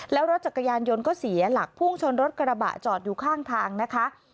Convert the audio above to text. แล้วรถจักรยานยนต์ก็เสียหลักพุ่งชนรถกระบะจอดอยู่ข้างทางนะคะ